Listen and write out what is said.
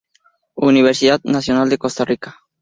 Universidad Nacional de Costa Rica.